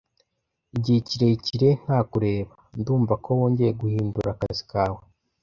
Igihe kirekire, nta kureba. Ndumva ko wongeye guhindura akazi kawe.